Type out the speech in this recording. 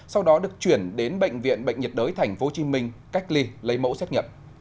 sau đó được chuyển đến bệnh viện bệnh nhiệt đới tp hcm cách ly lấy mẫu xét nghiệm